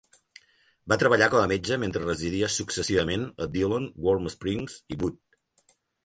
Va treballar com a metge mentre residia successivament a Dillon, Warm Springs i Butte.